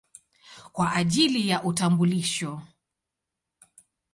kwa ajili ya utambulisho.